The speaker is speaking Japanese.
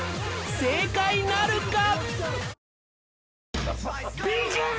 正解なるか？